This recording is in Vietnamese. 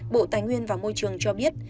bộ tài nguyên và môi trường cho biết